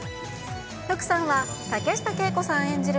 福さんは竹下景子さん演じる